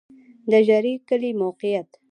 د ژرۍ کلی موقعیت